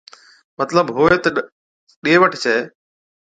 مطلب ھُوي تہ ڏي وٺ ڇَي